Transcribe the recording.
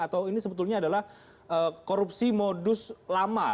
atau ini sebetulnya adalah korupsi modus lama